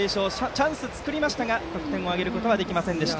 チャンスを作りましたが得点を挙げることはできませんでした。